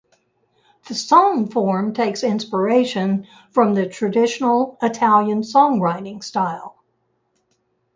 The song form takes inspiration from the traditional Italian songwriting style.